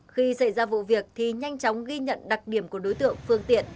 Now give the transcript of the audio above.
khi xảy ra vụ việc thì nhanh chóng ghi nhận đặc điểm của đối tượng phương tiện